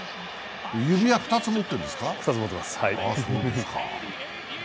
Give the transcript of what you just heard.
指輪２つ持ってるんですか。